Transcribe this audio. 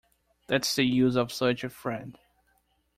That's the use of such a friend.